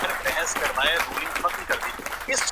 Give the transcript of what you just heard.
مزید پاکستانی کم